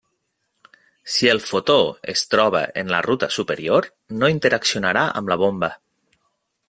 Si el fotó es troba en la ruta superior, no interaccionarà amb la bomba.